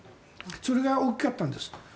それが大きかったんです。